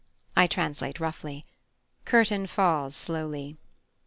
(I translate roughly.) Curtain falls slowly.